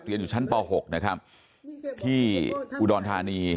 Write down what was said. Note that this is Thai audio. อยู่ชั้นป๖นะครับที่อุดรธานี